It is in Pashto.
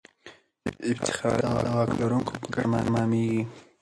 افتخارات د واک لرونکو په ګټه تمامیږي.